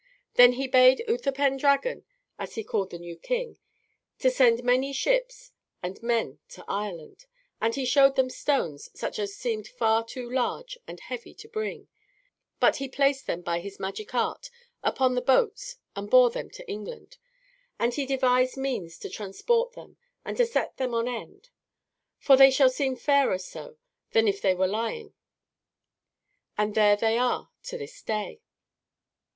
Then he bade Utherpendragon, as he called the new king, to send many ships and men to Ireland, and he showed him stones such as seemed far too large and heavy to bring, but he placed them by his magic art upon the boats and bore them to England; and he devised means to transport them and to set them on end, "for they shall seem fairer so than if they were lying." And there they are to this day.